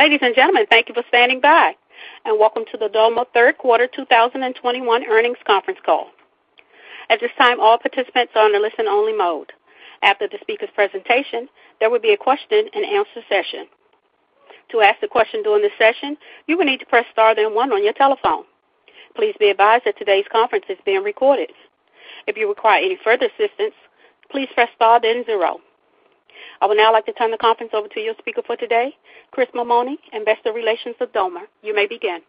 Ladies and gentlemen, thank you for standing by, and welcome to the Doma Q3 2021 earnings conference call. At this time, all participants are on a listen-only mode. After the speaker's presentation, there will be a question-and-answer session. To ask the question during this session, you will need to press star then one on your telephone. Please be advised that today's conference is being recorded. If you require any further assistance, please press star then zero. I would now like to turn the conference over to your speaker for today, Chris Mammone, investor relations with Doma. You may begin.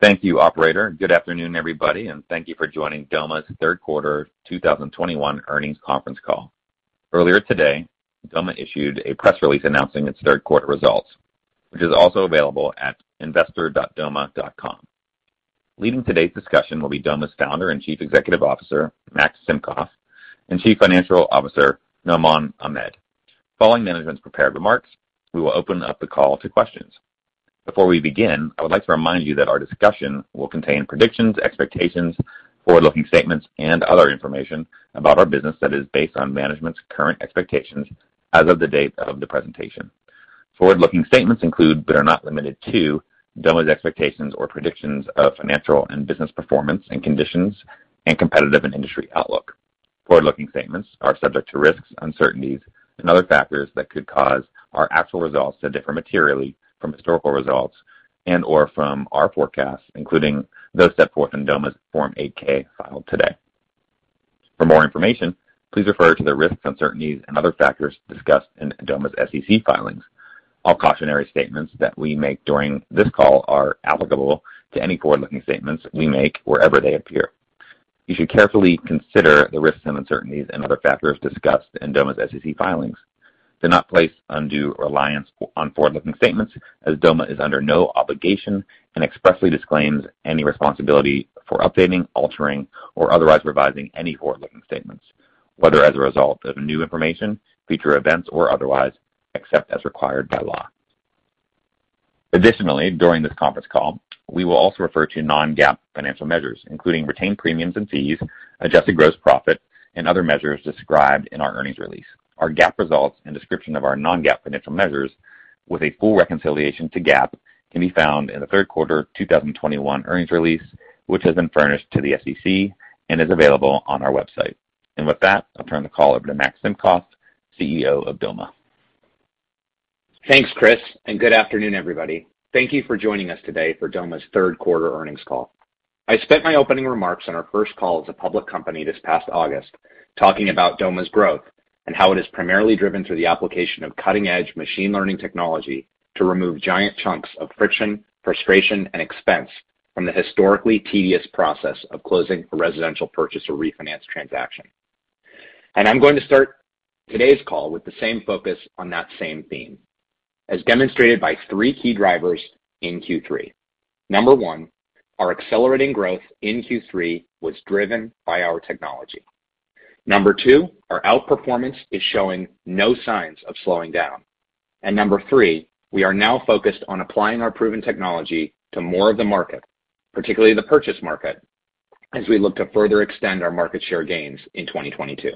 Thank you, operator. Good afternoon, everybody, and thank you for joining Doma's Q3 2021 earnings conference call. Earlier today, Doma issued a press release announcing its Q3 results, which is also available at investor.doma.com. Leading today's discussion will be Doma's Founder and Chief Executive Officer, Max Simkoff, and Chief Financial Officer, Noaman Ahmad. Following management's prepared remarks, we will open up the call to questions. Before we begin, I would like to remind you that our discussion will contain predictions, expectations, forward-looking statements and other information about our business that is based on management's current expectations as of the date of the presentation. Forward-looking statements include, but are not limited to, Doma's expectations or predictions of financial and business performance and conditions, and competitive and industry outlook. Forward-looking statements are subject to risks, uncertainties and other factors that could cause our actual results to differ materially from historical results and/or from our forecasts, including those set forth in Doma's Form 8-K filed today. For more information, please refer to the risks, uncertainties and other factors discussed in Doma's SEC filings. All cautionary statements that we make during this call are applicable to any forward-looking statements we make wherever they appear. You should carefully consider the risks and uncertainties and other factors discussed in Doma's SEC filings. Do not place undue reliance on forward-looking statements as Doma is under no obligation and expressly disclaims any responsibility for updating, altering, or otherwise revising any forward-looking statements, whether as a result of new information, future events or otherwise, except as required by law. Additionally, during this conference call, we will also refer to non-GAAP financial measures, including retained premiums and fees, adjusted gross profit and other measures described in our earnings release. Our GAAP results and description of our non-GAAP financial measures with a full reconciliation to GAAP can be found in the Q3 2021 earnings release, which has been furnished to the SEC and is available on our website. With that, I'll turn the call over to Max Simkoff, CEO of Doma. Thanks, Chris, and good afternoon, everybody. Thank you for joining us today for Doma's Q3 earnings call. I spent my opening remarks on our first call as a public company this past August, talking about Doma's growth and how it is primarily driven through the application of cutting-edge machine learning technology to remove giant chunks of friction, frustration, and expense from the historically tedious process of closing a residential purchase or refinance transaction. I'm going to start today's call with the same focus on that same theme, as demonstrated by three key drivers in Q3. Number one, our accelerating growth in Q3 was driven by our technology. Number two, our outperformance is showing no signs of slowing down. Number three, we are now focused on applying our proven technology to more of the market, particularly the purchase market, as we look to further extend our market share gains in 2022.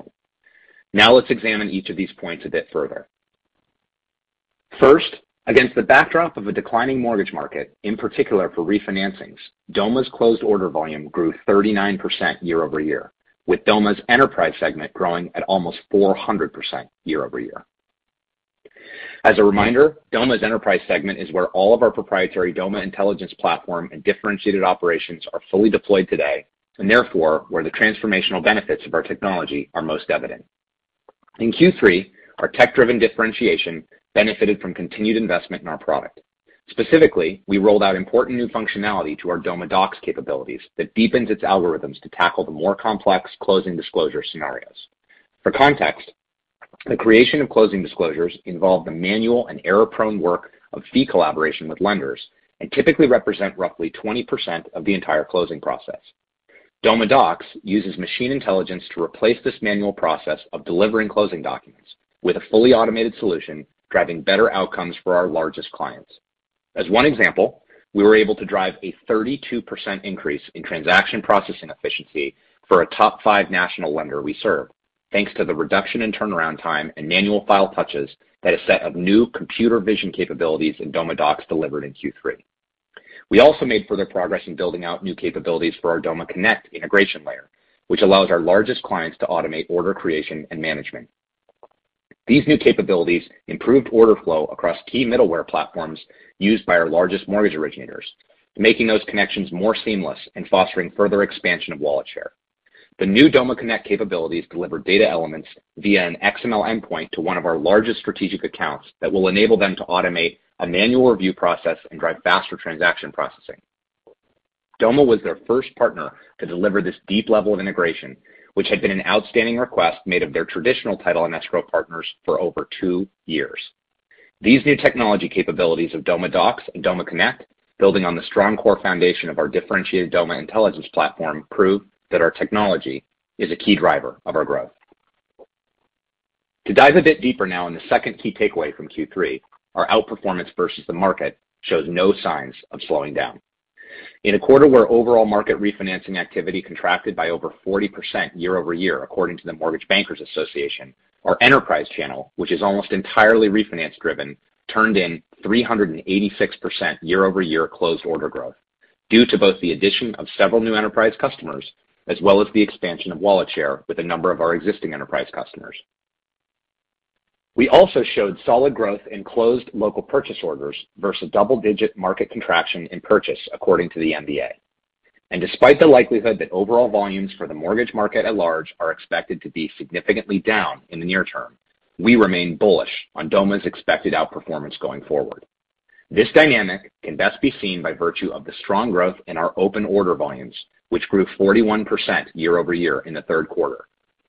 Now let's examine each of these points a bit further. First, against the backdrop of a declining mortgage market, in particular for refinancings, Doma's closed order volume grew 39% year-over-year, with Doma's enterprise segment growing at almost 400% year-over-year. As a reminder, Doma's enterprise segment is where all of our proprietary Doma Intelligence platform and differentiated operations are fully deployed today, and therefore, where the transformational benefits of our technology are most evident. In Q3, our tech-driven differentiation benefited from continued investment in our product. Specifically, we rolled out important new functionality to our Doma Docs capabilities that deepens its algorithms to tackle the more complex closing disclosure scenarios. For context, the creation of Closing Disclosures involve the manual and error-prone work of fee collaboration with lenders and typically represent roughly 20% of the entire closing process. Doma Docs uses machine intelligence to replace this manual process of delivering closing documents with a fully automated solution, driving better outcomes for our largest clients. As one example, we were able to drive a 32% increase in transaction processing efficiency for a top five national lender we serve, thanks to the reduction in turnaround time and manual file touches that a set of new computer vision capabilities in Doma Docs delivered in Q3. We also made further progress in building out new capabilities for our Doma Connect integration layer, which allows our largest clients to automate order creation and management. These new capabilities improved order flow across key middleware platforms used by our largest mortgage originators, making those connections more seamless and fostering further expansion of wallet share. The new Doma Connect capabilities deliver data elements via an XML endpoint to one of our largest strategic accounts that will enable them to automate a manual review process and drive faster transaction processing. Doma was their first partner to deliver this deep level of integration, which had been an outstanding request made of their traditional title and escrow partners for over two years. These new technology capabilities of Doma Docs and Doma Connect, building on the strong core foundation of our differentiated Doma Intelligence platform, prove that our technology is a key driver of our growth. To dive a bit deeper now in the second key takeaway from Q3, our outperformance versus the market shows no signs of slowing down. In a quarter where overall market refinancing activity contracted by over 40% year-over-year according to the Mortgage Bankers Association, our enterprise channel, which is almost entirely refinance driven, turned in 386% year-over-year closed order growth due to both the addition of several new enterprise customers as well as the expansion of wallet share with a number of our existing enterprise customers. We also showed solid growth in closed local purchase orders versus double-digit market contraction in purchase, according to the MBA. Despite the likelihood that overall volumes for the mortgage market at large are expected to be significantly down in the near term, we remain bullish on Doma's expected outperformance going forward. This dynamic can best be seen by virtue of the strong growth in our open order volumes, which grew 41% year-over-year in the Q3,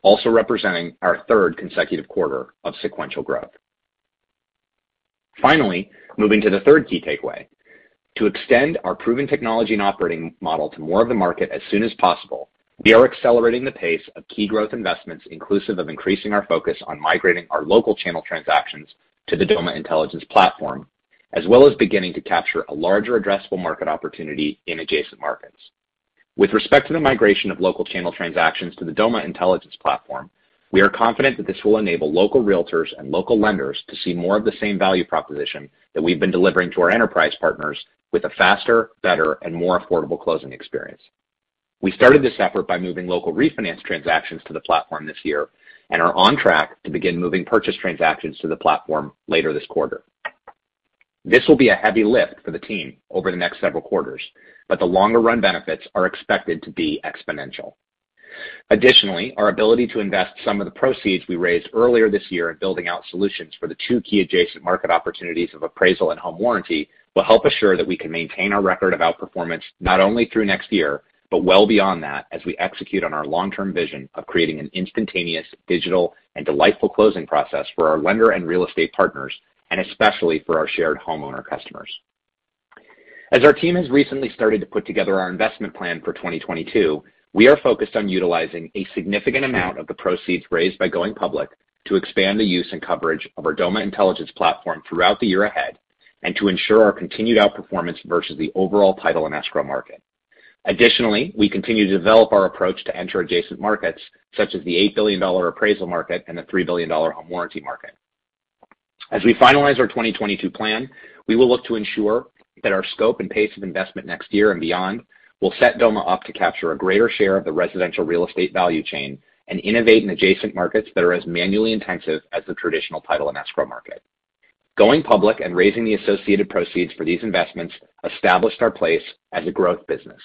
also representing our third consecutive quarter of sequential growth. Finally, moving to the third key takeaway. To extend our proven technology and operating model to more of the market as soon as possible, we are accelerating the pace of key growth investments inclusive of increasing our focus on migrating our local channel transactions to the Doma Intelligence platform, as well as beginning to capture a larger addressable market opportunity in adjacent markets. With respect to the migration of local channel transactions to the Doma Intelligence platform, we are confident that this will enable local realtors and local lenders to see more of the same value proposition that we've been delivering to our enterprise partners with a faster, better, and more affordable closing experience. We started this effort by moving local refinance transactions to the platform this year and are on track to begin moving purchase transactions to the platform later this quarter. This will be a heavy lift for the team over the next several quarters, but the longer run benefits are expected to be exponential. Additionally, our ability to invest some of the proceeds we raised earlier this year in building out solutions for the two key adjacent market opportunities of appraisal and home warranty will help assure that we can maintain our record of outperformance not only through next year, but well beyond that as we execute on our long-term vision of creating an instantaneous, digital, and delightful closing process for our lender and real estate partners, and especially for our shared homeowner customers. As our team has recently started to put together our investment plan for 2022, we are focused on utilizing a significant amount of the proceeds raised by going public to expand the use and coverage of our Doma Intelligence platform throughout the year ahead and to ensure our continued outperformance versus the overall title and escrow market. Additionally, we continue to develop our approach to enter adjacent markets, such as the $8 billion appraisal market and the $3 billion home warranty market. As we finalize our 2022 plan, we will look to ensure that our scope and pace of investment next year and beyond will set Doma up to capture a greater share of the residential real estate value chain and innovate in adjacent markets that are as manually intensive as the traditional title and escrow market. Going public and raising the associated proceeds for these investments established our place as a growth business,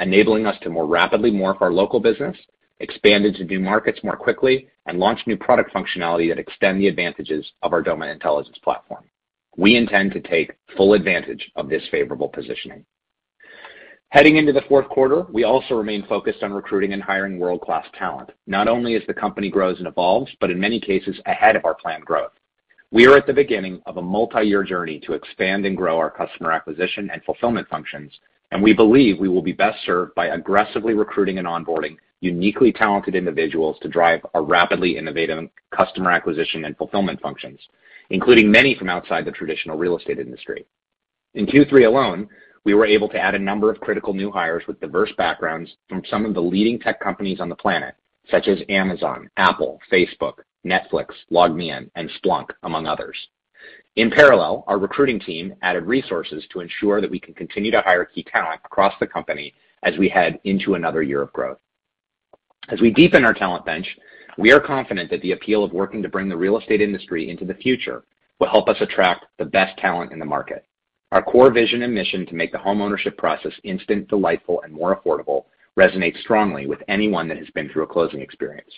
enabling us to more rapidly morph our local business, expand into new markets more quickly, and launch new product functionality that extend the advantages of our Doma Intelligence platform. We intend to take full advantage of this favorable positioning. Heading into the Q4, we also remain focused on recruiting and hiring world-class talent, not only as the company grows and evolves, but in many cases ahead of our planned growth. We are at the beginning of a multiyear journey to expand and grow our customer acquisition and fulfillment functions, and we believe we will be best served by aggressively recruiting and onboarding uniquely talented individuals to drive our rapidly innovative customer acquisition and fulfillment functions, including many from outside the traditional real estate industry. In Q3 alone, we were able to add a number of critical new hires with diverse backgrounds from some of the leading tech companies on the planet, such as Amazon, Apple, Facebook, Netflix, LogMeIn, and Splunk, among others. In parallel, our recruiting team added resources to ensure that we can continue to hire key talent across the company as we head into another year of growth. As we deepen our talent bench, we are confident that the appeal of working to bring the real estate industry into the future will help us attract the best talent in the market. Our core vision and mission to make the homeownership process instant, delightful, and more affordable resonates strongly with anyone that has been through a closing experience.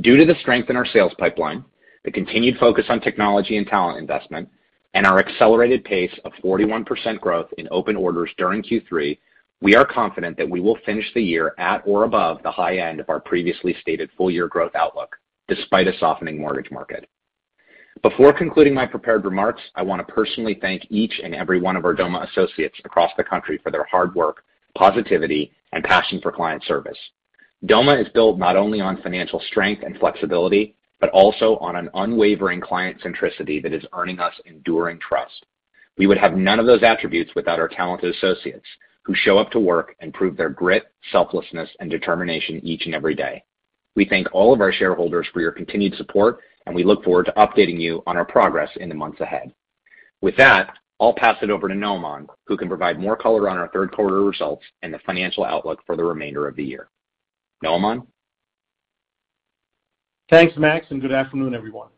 Due to the strength in our sales pipeline, the continued focus on technology and talent investment, and our accelerated pace of 41% growth in open orders during Q3, we are confident that we will finish the year at or above the high end of our previously stated full year growth outlook, despite a softening mortgage market. Before concluding my prepared remarks, I want to personally thank each and every one of our Doma associates across the country for their hard work, positivity, and passion for client service. Doma is built not only on financial strength and flexibility, but also on an unwavering client centricity that is earning us enduring trust. We would have none of those attributes without our talented associates who show up to work and prove their grit, selflessness, and determination each and every day. We thank all of our shareholders for your continued support, and we look forward to updating you on our progress in the months ahead. With that, I'll pass it over to Noaman Ahmad, who can provide more color on our Q3 results and the financial outlook for the remainder of the year. Noaman Ahmad? Thanks, Max, and good afternoon, everyone.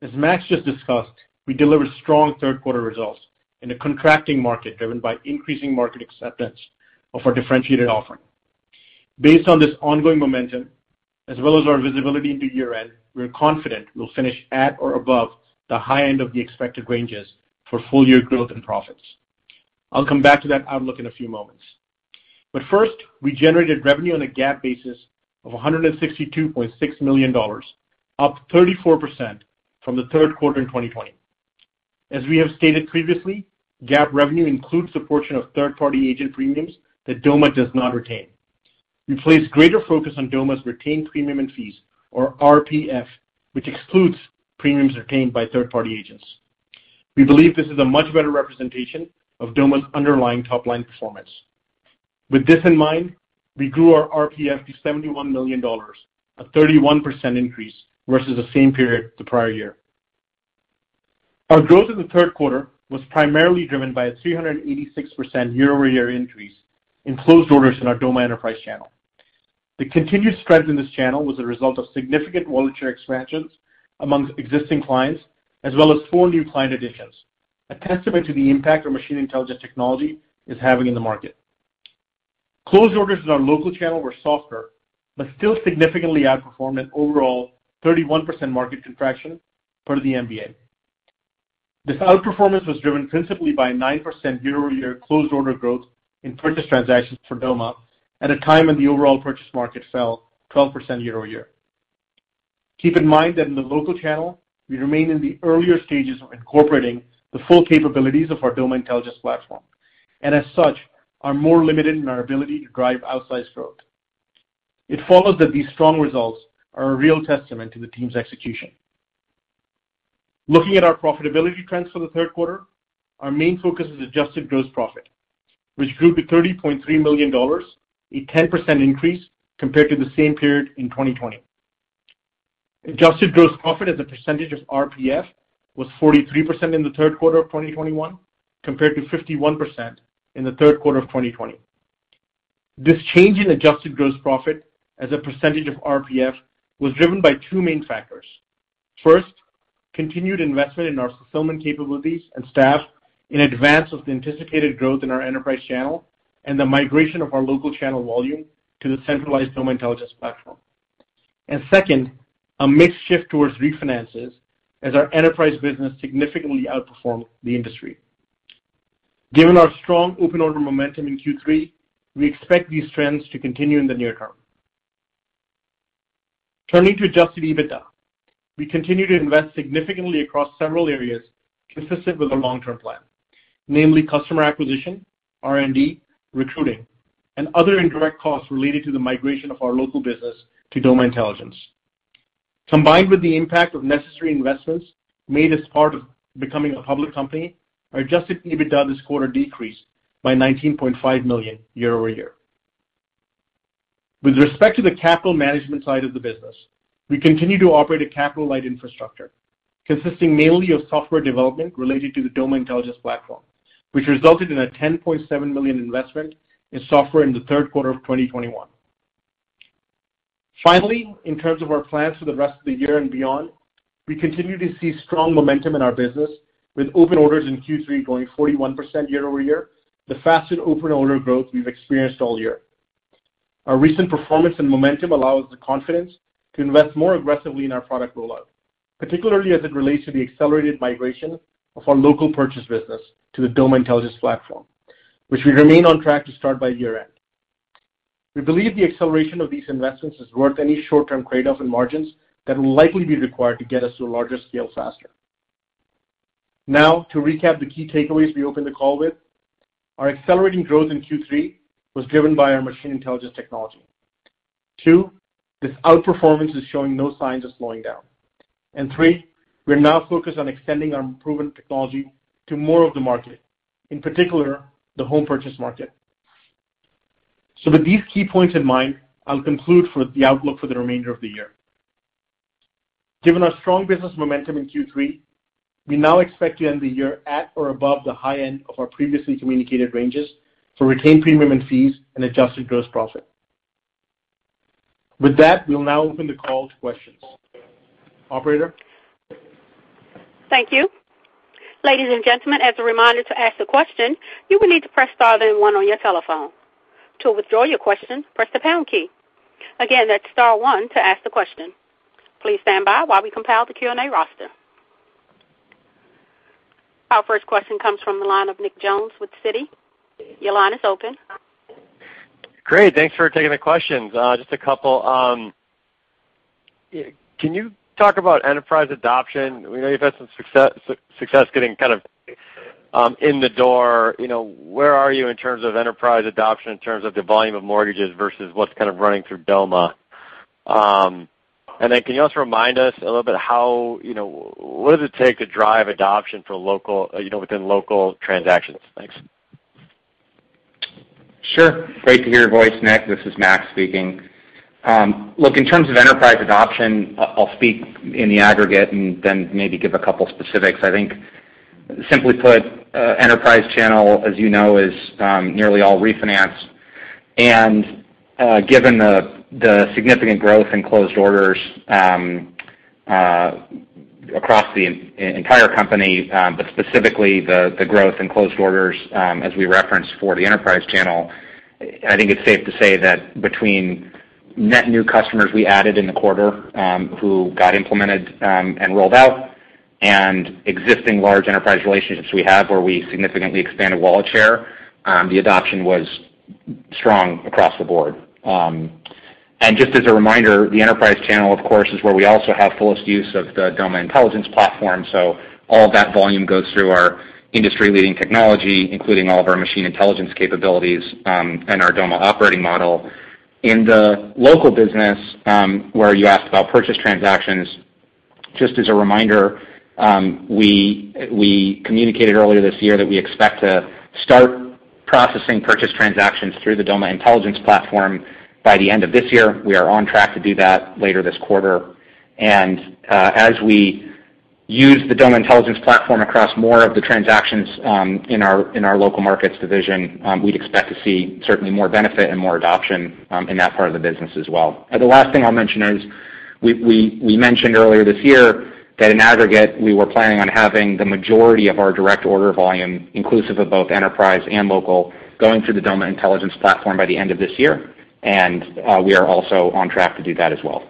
As Max just discussed, we delivered strong Q3 results in a contracting market driven by increasing market acceptance of our differentiated offering. Based on this ongoing momentum, as well as our visibility into year-end, we are confident we'll finish at or above the high end of the expected ranges for full year growth and profits. I'll come back to that outlook in a few moments. First, we generated revenue on a GAAP basis of $162.6 million, up 34% from the Q3 in 2020. As we have stated previously, GAAP revenue includes the portion of third-party agent premiums that Doma does not retain. We place greater focus on Doma's retained premiums and fees, or RPF, which excludes premiums retained by third-party agents. We believe this is a much better representation of Doma's underlying top-line performance. With this in mind, we grew our RPF to $71 million, a 31% increase versus the same period the prior year. Our growth in the Q3 was primarily driven by a 386% year-over-year increase in closed orders in our Doma Enterprise channel. The continued strength in this channel was a result of significant wallet share expansions amongst existing clients, as well as four new client additions, a testament to the impact our machine intelligence technology is having in the market. Closed orders in our local channel were softer, but still significantly outperformed an overall 31% market contraction per the MBA. This outperformance was driven principally by 9% year-over-year closed order growth in purchase transactions for Doma at a time when the overall purchase market fell 12% year-over-year. Keep in mind that in the local channel, we remain in the earlier stages of incorporating the full capabilities of our Doma Intelligence platform, and as such, are more limited in our ability to drive outsized growth. It follows that these strong results are a real testament to the team's execution. Looking at our profitability trends for the Q3, our main focus is adjusted gross profit, which grew to $30.3 million, a 10% increase compared to the same period in 2020. Adjusted gross profit as a percentage of RPF was 43% in the Q3 of 2021 compared to 51% in the Q3 of 2020. This change in adjusted gross profit as a percentage of RPF was driven by two main factors. First, continued investment in our fulfillment capabilities and staff in advance of the anticipated growth in our Enterprise channel and the migration of our local channel volume to the centralized Doma Intelligence platform. Second, a mixed shift towards refinances as our Enterprise business significantly outperformed the industry. Given our strong open order momentum in Q3, we expect these trends to continue in the near term. Turning to adjusted EBITDA, we continue to invest significantly across several areas consistent with our long-term plan, namely customer acquisition, R&D, recruiting, and other indirect costs related to the migration of our local business to Doma Intelligence. Combined with the impact of necessary investments made as part of becoming a public company, our adjusted EBITDA this quarter decreased by $19.5 million year-over-year. With respect to the capital management side of the business, we continue to operate a capital-light infrastructure consisting mainly of software development related to the Doma Intelligence platform, which resulted in a $10.7 million investment in software in the Q3 of 2021. Finally, in terms of our plans for the rest of the year and beyond, we continue to see strong momentum in our business with open orders in Q3 growing 41% year-over-year, the fastest open order growth we've experienced all year. Our recent performance and momentum allows the confidence to invest more aggressively in our product rollout, particularly as it relates to the accelerated migration of our local purchase business to the Doma Intelligence platform, which we remain on track to start by year-end. We believe the acceleration of these investments is worth any short-term trade-off in margins that will likely be required to get us to a larger scale faster. Now, to recap the key takeaways we opened the call with. Our accelerating growth in Q3 was driven by our machine intelligence technology. Two, this outperformance is showing no signs of slowing down. Three, we're now focused on extending our proven technology to more of the market, in particular, the home purchase market. With these key points in mind, I'll conclude for the outlook for the remainder of the year. Given our strong business momentum in Q3, we now expect to end the year at or above the high end of our previously communicated ranges for retained premiums and fees and adjusted gross profit. With that, we'll now open the call to questions. Operator? Thank you. Ladies and gentlemen, as a reminder to ask a question, you will need to press star then one on your telephone. To withdraw your question, press the pound key. Again, that's star one to ask the question. Please stand by while we compile the Q&A roster. Our first question comes from the line of Nick Jones with Citi. Your line is open. Great. Thanks for taking the questions. Can you talk about enterprise adoption? We know you've had some success getting kind of in the door. You know, where are you in terms of enterprise adoption, in terms of the volume of mortgages versus what's kind of running through Doma? And then can you also remind us a little bit how, you know, what does it take to drive adoption for local, you know, within local transactions? Thanks. Sure. Great to hear your voice, Nick. This is Max speaking. Look, in terms of enterprise adoption, I'll speak in the aggregate and then maybe give a couple specifics. I think simply put, enterprise channel, as you know, is nearly all refinance. Given the significant growth in closed orders across the entire company, but specifically the growth in closed orders as we referenced for the enterprise channel, I think it's safe to say that between net new customers we added in the quarter who got implemented and rolled out, and existing large enterprise relationships we have where we significantly expanded wallet share, the adoption was strong across the board. Just as a reminder, the enterprise channel, of course, is where we also have fullest use of the Doma Intelligence platform. All of that volume goes through our industry-leading technology, including all of our machine intelligence capabilities, and our Doma operating model. In the local business, where you asked about purchase transactions, just as a reminder, we communicated earlier this year that we expect to start processing purchase transactions through the Doma Intelligence platform by the end of this year. We are on track to do that later this quarter. As we use the Doma Intelligence platform across more of the transactions, in our local markets division, we'd expect to see certainly more benefit and more adoption, in that part of the business as well. The last thing I'll mention is we mentioned earlier this year that in aggregate, we were planning on having the majority of our direct order volume inclusive of both enterprise and local, going through the Doma Intelligence platform by the end of this year. We are also on track to do that as well.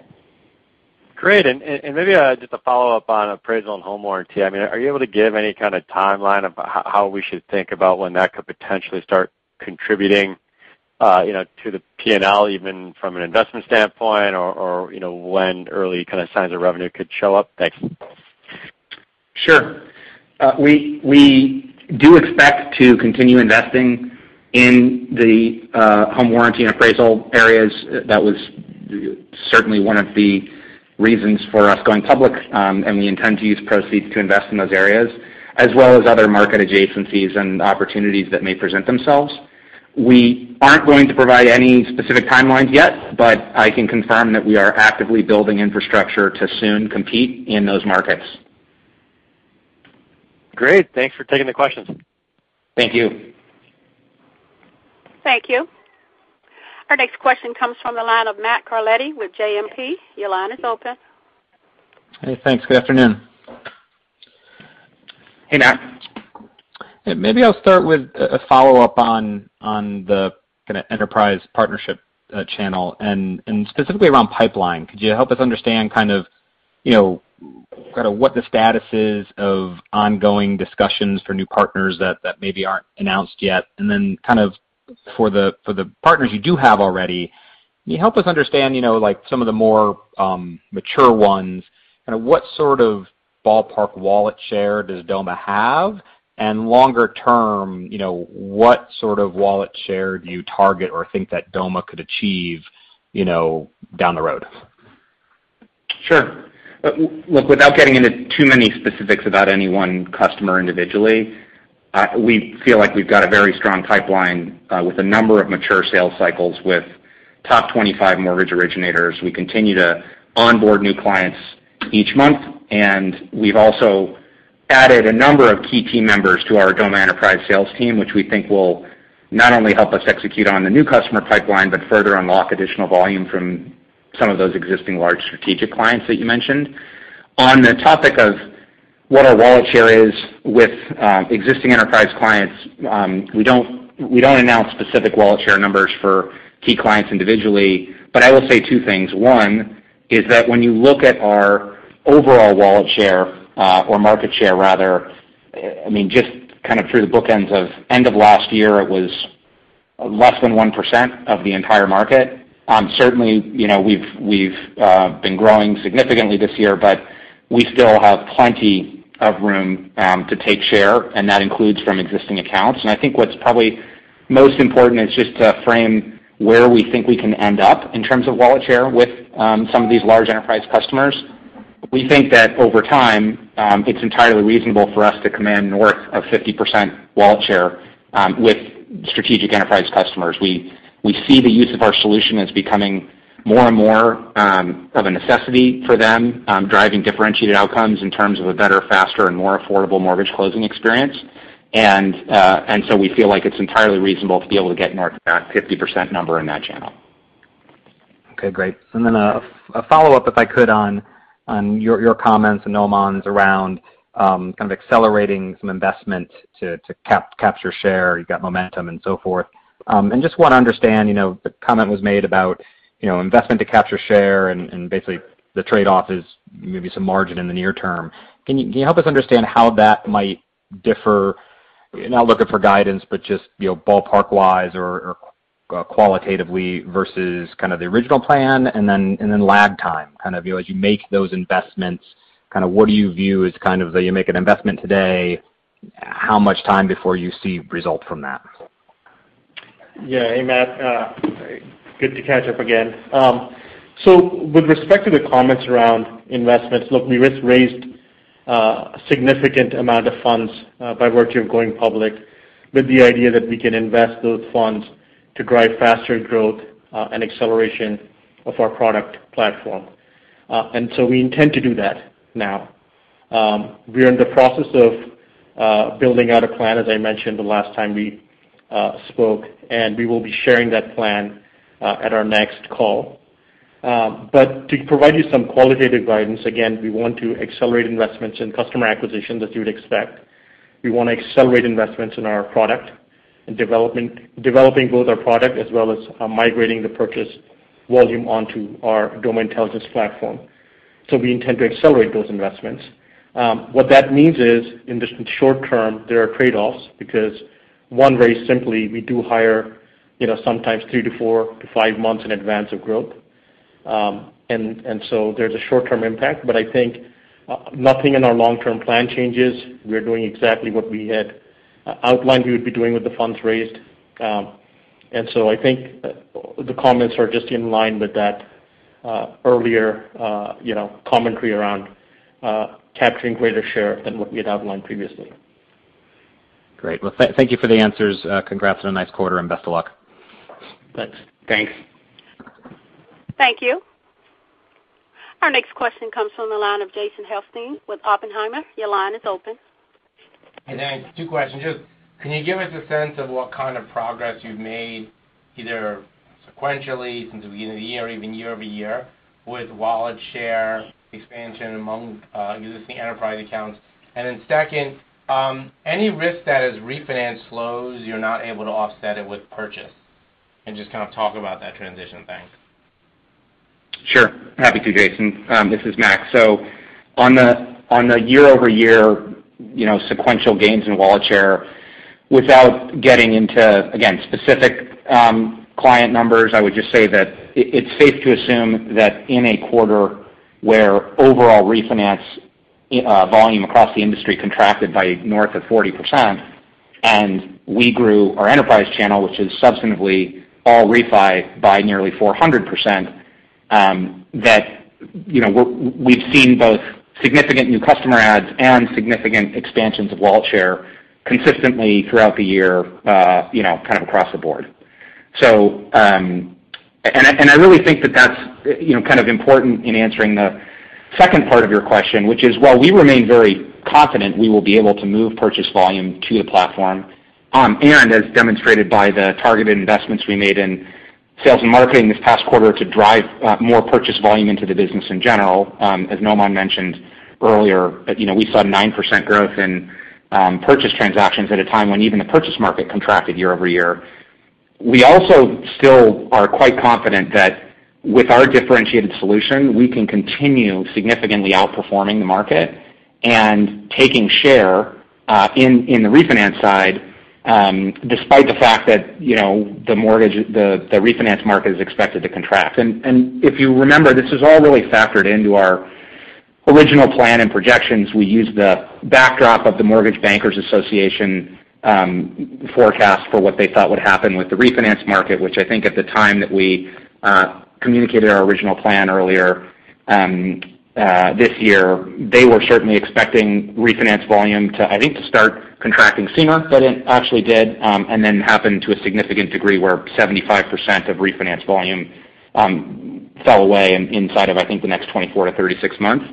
Great. Maybe just a follow-up on appraisal and home warranty. I mean, are you able to give any kinda timeline of how we should think about when that could potentially start contributing to the PNL even from an investment standpoint or when early kind of signs of revenue could show up? Thanks. Sure. We do expect to continue investing in the home warranty and appraisal areas. That was certainly one of the reasons for us going public. We intend to use proceeds to invest in those areas as well as other market adjacencies and opportunities that may present themselves. We aren't going to provide any specific timelines yet, but I can confirm that we are actively building infrastructure to soon compete in those markets. Great. Thanks for taking the questions. Thank you. Thank you. Our next question comes from the line of Matt Carletti with JMP Securities. Your line is open. Hey, thanks. Good afternoon. Hey, Matt. Maybe I'll start with a follow-up on the kinda enterprise partnership channel and specifically around pipeline. Could you help us understand kind of, you know, kinda what the status is of ongoing discussions for new partners that maybe aren't announced yet? Kind of for the partners you do have already, can you help us understand, you know, like some of the more mature ones, kinda what sort of ballpark wallet share does Doma have? Longer term, you know, what sort of wallet share do you target or think that Doma could achieve, you know, down the road? Sure. Without getting into too many specifics about any one customer individually, we feel like we've got a very strong pipeline with a number of mature sales cycles with top 25 mortgage originators. We continue to onboard new clients each month, and we've also added a number of key team members to our Doma Enterprise sales team, which we think will not only help us execute on the new customer pipeline, but further unlock additional volume from some of those existing large strategic clients that you mentioned. On the topic of what our wallet share is with existing enterprise clients, we don't announce specific wallet share numbers for key clients individually. I will say two things. One is that when you look at our overall wallet share, or market share rather, I mean, just kind of through the bookends of end of last year, it was less than 1% of the entire market. Certainly, you know, we've been growing significantly this year, but we still have plenty of room to take share, and that includes from existing accounts. I think what's probably most important is just to frame where we think we can end up in terms of wallet share with some of these large enterprise customers. We think that over time, it's entirely reasonable for us to command north of 50% wallet share with strategic enterprise customers. We see the use of our solution as becoming more and more of a necessity for them, driving differentiated outcomes in terms of a better, faster, and more affordable mortgage closing experience. We feel like it's entirely reasonable to be able to get north of that 50% number in that channel. Okay, great. A follow-up, if I could, on your comments and Noaman's around kind of accelerating some investment to capture share. You've got momentum and so forth. Just wanna understand, you know, the comment was made about, you know, investment to capture share and basically the trade-off is maybe some margin in the near term. Can you help us understand how that might differ? Not looking for guidance, but just, you know, ballpark-wise or qualitatively versus kind of the original plan? Lag time, kind of, you know, as you make those investments, kinda what do you view as kind of that you make an investment today, how much time before you see results from that? Yeah. Hey, Matt, good to catch up again. With respect to the comments around investments, look, we just raised a significant amount of funds by virtue of going public with the idea that we can invest those funds to drive faster growth and acceleration of our product platform. We intend to do that now. We are in the process of building out a plan, as I mentioned the last time we spoke, and we will be sharing that plan at our next call. To provide you some qualitative guidance, again, we want to accelerate investments in customer acquisition as you would expect. We wanna accelerate investments in developing both our product as well as migrating the purchase volume onto our Doma Intelligence platform. We intend to accelerate those investments. What that means is, in the short term, there are trade-offs because one, very simply, we do hire, you know, sometimes three to four to five months in advance of growth. There's a short-term impact, but I think nothing in our long-term plan changes. We are doing exactly what we had outlined we would be doing with the funds raised. I think the comments are just in line with that, earlier you know commentary around capturing greater share than what we had outlined previously. Great. Well, thank you for the answers. Congrats on a nice quarter, and best of luck. Thanks. Thanks. Thank you. Our next question comes from the line of Jason Helfstein with Oppenheimer. Your line is open. Hey, thanks. Two questions. Just, can you give us a sense of what kind of progress you've made, either sequentially since the beginning of the year or even year-over-year, with wallet share expansion among existing enterprise accounts? Second, any risk that as refinance slows, you're not able to offset it with purchase? Just kind of talk about that transition. Thanks. Sure. Happy to, Jason. This is Max. On the year-over-year, you know, sequential gains in wallet share, without getting into, again, specific, client numbers, I would just say that it's safe to assume that in a quarter where overall refinance volume across the industry contracted by north of 40%, and we grew our enterprise channel, which is substantively all refi, by nearly 400%, that, you know, we've seen both significant new customer adds and significant expansions of wallet share consistently throughout the year, you know, kind of across the board. I really think that that's kind of important in answering the second part of your question, which is while we remain very confident we will be able to move purchase volume to the platform, and as demonstrated by the targeted investments we made in sales and marketing this past quarter to drive more purchase volume into the business in general, as Noaman mentioned earlier, you know, we saw 9% growth in purchase transactions at a time when even the purchase market contracted year-over-year. We also still are quite confident that with our differentiated solution, we can continue significantly outperforming the market and taking share in the refinance side, despite the fact that, you know, the refinance market is expected to contract. If you remember, this is all really factored into our original plan and projections. We used the backdrop of the Mortgage Bankers Association forecast for what they thought would happen with the refinance market, which I think at the time that we communicated our original plan earlier this year, they were certainly expecting refinance volume to start contracting sooner than it actually did, and then happened to a significant degree where 75% of refinance volume fell away inside of, I think, the next 24-36 months.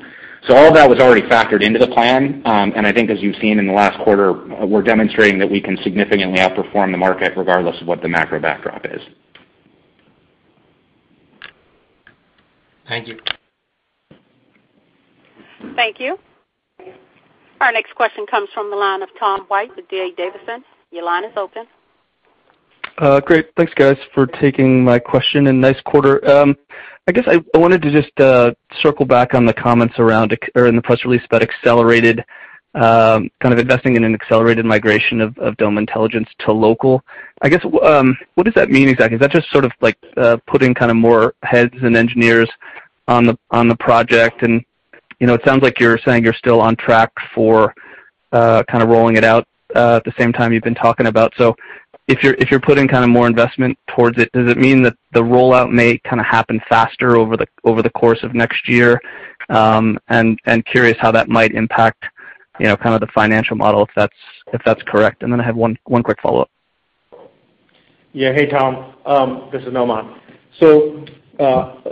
All of that was already factored into the plan. I think as you've seen in the last quarter, we're demonstrating that we can significantly outperform the market regardless of what the macro backdrop is. Thank you. Thank you. Our next question comes from the line of Tom White with D.A. Davidson. Your line is open. Great. Thanks, guys, for taking my question, and nice quarter. I guess I wanted to just circle back on the comments around or in the press release about accelerated kind of investing in an accelerated migration of Doma Intelligence to local. I guess what does that mean exactly? Is that just sort of like putting kind of more heads and engineers on the project? You know, it sounds like you're saying you're still on track for kind of rolling it out at the same time you've been talking about. If you're putting kind of more investment towards it, does it mean that the rollout may kind of happen faster over the course of next year? Curious how that might impact, you know, kind of the financial model if that's correct? I have one quick follow-up. Yeah. Hey, Tom. This is Noaman.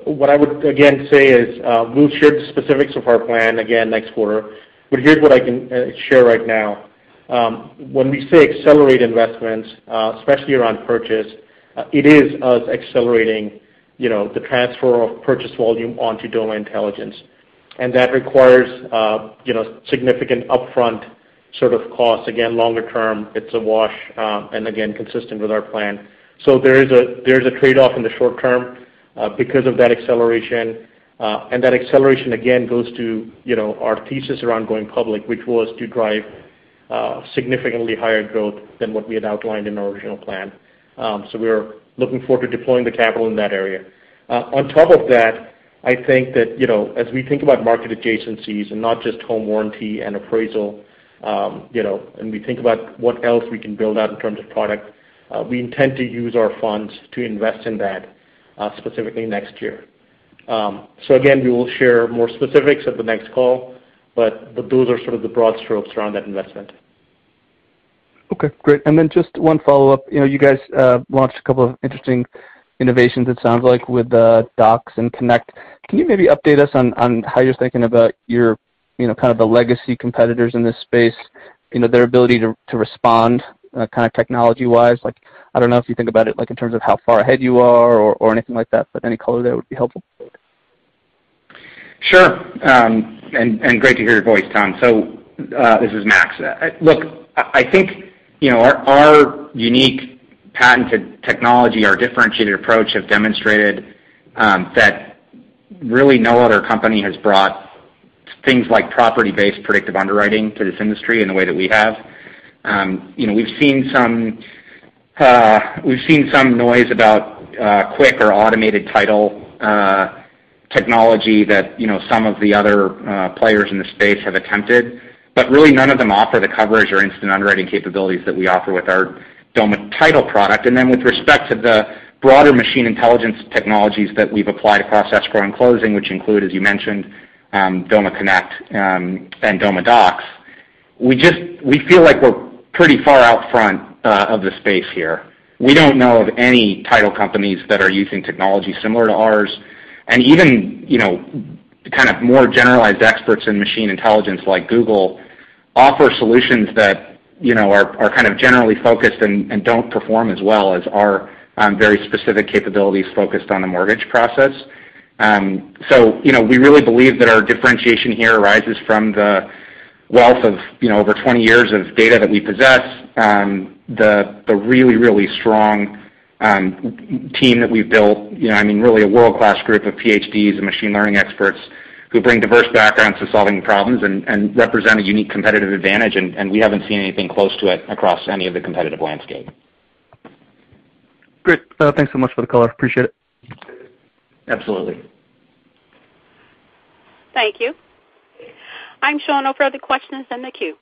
What I would again say is, we'll share the specifics of our plan again next quarter, but here's what I can share right now. When we say accelerated investments, especially around purchase, it is us accelerating, you know, the transfer of purchase volume onto Doma Intelligence. And that requires, you know, significant upfront sort of costs. Again, longer term, it's a wash, and again, consistent with our plan. There is a trade-off in the short term because of that acceleration. And that acceleration again goes to, you know, our thesis around going public, which was to drive significantly higher growth than what we had outlined in our original plan. We're looking forward to deploying the capital in that area. On top of that, I think that, you know, as we think about market adjacencies and not just home warranty and appraisal, you know, and we think about what else we can build out in terms of product, we intend to use our funds to invest in that, specifically next year. Again, we will share more specifics at the next call, but those are sort of the broad strokes around that investment. Okay. Great. Just one follow-up. You know, you guys launched a couple of interesting innovations, it sounds like, with Docs and Connect. Can you maybe update us on how you're thinking about your, you know, kind of the legacy competitors in this space, you know, their ability to respond kind of technology-wise? Like, I don't know if you think about it, like, in terms of how far ahead you are or anything like that. Any color there would be helpful. Sure. Great to hear your voice, Tom. This is Max. Look, I think, you know, our unique patented technology, our differentiated approach have demonstrated that really no other company has brought things like property-based predictive underwriting to this industry in the way that we have. You know, we've seen some noise about quick or automated title technology that, you know, some of the other players in the space have attempted, but really none of them offer the coverage or instant underwriting capabilities that we offer with our Doma title product. Then with respect to the broader machine intelligence technologies that we've applied across escrow and closing, which include, as you mentioned, Doma Connect and Doma Docs, we feel like we're pretty far out front of the space here. We don't know of any title companies that are using technology similar to ours. Even, you know, kind of more generalized experts in machine intelligence, like Google, offer solutions that, you know, are kind of generally focused and don't perform as well as our very specific capabilities focused on the mortgage process. You know, we really believe that our differentiation here arises from the wealth of, you know, over 20 years of data that we possess, the really strong team that we've built. You know, I mean, really a world-class group of PhDs and machine learning experts who bring diverse backgrounds to solving problems and represent a unique competitive advantage, and we haven't seen anything close to it across any of the competitive landscape. Great. Thanks so much for the color. Appreciate it. Absolutely. Thank you. I'm showing no further questions in the queue.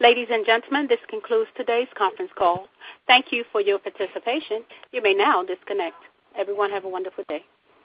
Ladies and gentlemen, this concludes today's conference call. Thank you for your participation. You may now disconnect. Everyone, have a wonderful day.